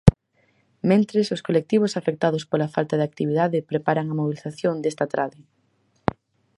Mentres, os colectivos afectados pola falta de actividade preparan a mobilización desta trade.